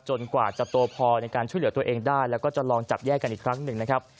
กว่าจะตัวพอในการช่วยเหลือตัวเองได้แล้วก็จะลองจับแยกกันอีกครั้งหนึ่งนะครับ